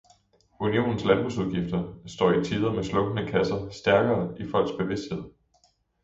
Unionens landbrugsudgifter står i tider med slunkne kasser stærkere i folks bevidsthed.